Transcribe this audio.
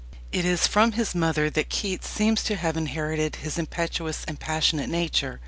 It is from his mother that Keats seems to have inherited his impetuous and passionate nature.